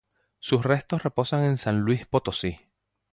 Sus restos reposan en San Luis Potosí.